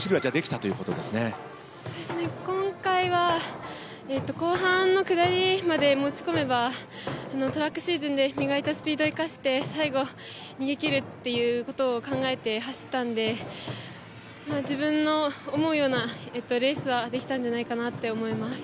そうですね、今回は後半の下りまで持ち込めばトラックシーズンで磨いたスピードを生かして最後、逃げ切るということを考えて走ったんで自分の思うようなレースはできたと思います。